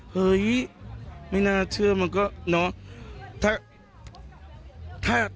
เฮ้ยไม่น่าเชื่อมันก็เนาะ